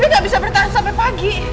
bebe gak bisa bertahan sampai pagi